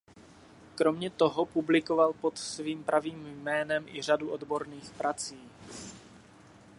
Kromě toho publikoval pod svým pravým jménem i řadu odborných prací.